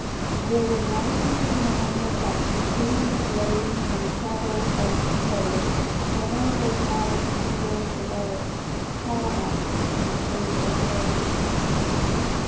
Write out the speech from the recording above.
"There were ninety and nine that safely lay In the shelter of the fold, But one was out on the hills away, Far off from the gates of gold."